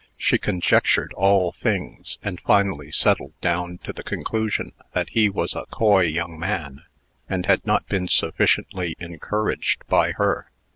She conjectured all things, and finally settled down to the conclusion that he was a coy young man, and had not been sufficiently encouraged by her.